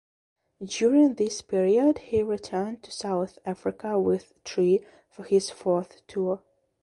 During this period he returned to South Africa with Tree for his fourth tour.